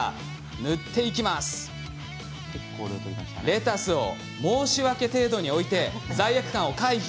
レタスを申し訳程度に置いて罪悪感を回避。